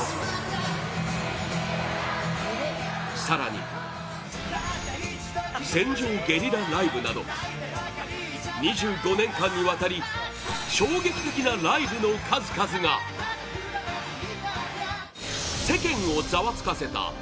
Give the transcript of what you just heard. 更に船上ゲリラライブなど２５年間にわたり衝撃的なライブの数々が世間をザワつかせた！